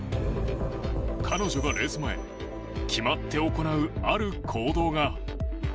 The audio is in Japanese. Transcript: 彼女がレース前決まって行うある行動が。